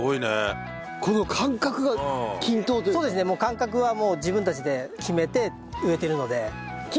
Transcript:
間隔はもう自分たちで決めて植えてるので。